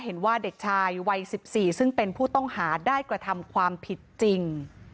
เห็นว่าเด็กชายวัย๑๔ซึ่งเป็นผู้ต้องหาได้กระทำความผิดจริง